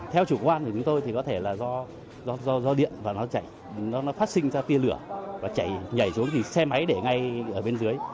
theo chủ quan thì chúng tôi có thể là do điện và nó chạy nó phát sinh ra tia lửa và chạy nhảy xuống thì xe máy để ngay ở bên dưới